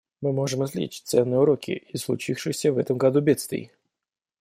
Мы можем извлечь ценные уроки из случившихся в этом году бедствий.